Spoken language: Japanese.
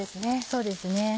そうですね。